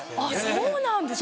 そうなんですか。